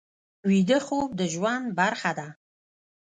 ویده خوب د ژوند برخه ده